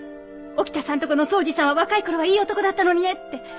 沖田さんとこの総司さんは若い頃はいい男だったのにねって。